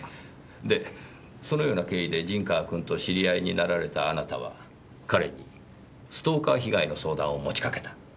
でそのような経緯で陣川君と知り合いになられたあなたは彼にストーカー被害の相談を持ちかけた。